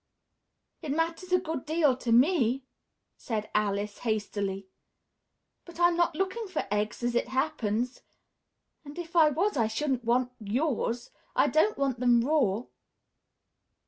"It matters a good deal to me," said Alice hastily; "but I'm not looking for eggs, as it happens, and if I was, I shouldn't want yours I don't like them raw."